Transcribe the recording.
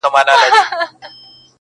یو ځل مي جهان ته وکتل او بیا مي -